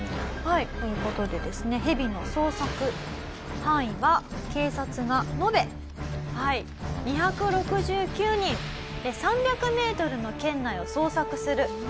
という事でですねヘビの捜索範囲は警察が延べ２６９人３００メートルの圏内を捜索する。